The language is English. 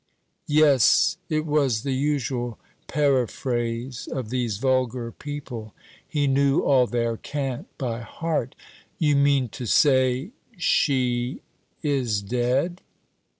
Yes; it was the usual periphrase of these vulgar people. He knew all their cant by heart. "You mean to say she is dead?"